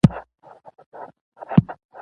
زه د خپل ځان او نورو درناوی کوم.